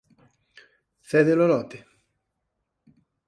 Cede-lo lote?